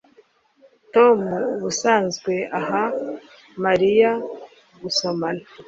Tom ubusanzwe aha Mariya gusomana